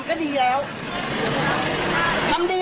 คนรักมันก็ผ่านไม่ได้